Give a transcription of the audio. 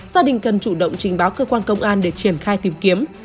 gia đình cần chủ động trình báo cơ quan công an để triển khai tìm kiếm